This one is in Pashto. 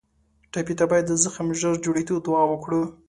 ټپي ته باید د زخم ژر جوړېدو دعا وکړو.